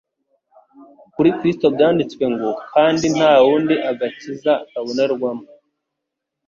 Kuri Kristo byanditswe ngo: kandi nta wundi agakiza kabonerwamo,